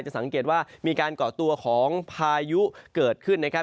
สังเกตว่ามีการก่อตัวของพายุเกิดขึ้นนะครับ